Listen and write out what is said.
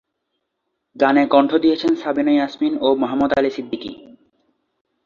গানে কণ্ঠ দিয়েছেন সাবিনা ইয়াসমিন ও মোহাম্মদ আলী সিদ্দিকী।